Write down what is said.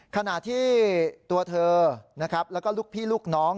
ขณะที่ตัวเธอนะครับแล้วก็ลูกพี่ลูกน้อง